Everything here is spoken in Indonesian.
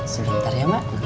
sebentar ya mak